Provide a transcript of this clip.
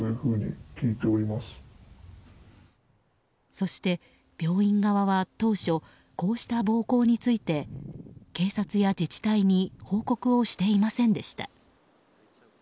そして、病院側は当初こうした暴行について警察や自治体に報告をしていませんでした。